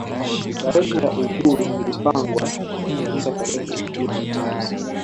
Tarehe ya uhuru ilapangwa kufanyika tarehe ishirini na tano